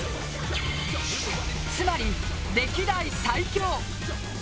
つまり、歴代最強。